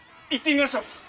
行ってみましょう。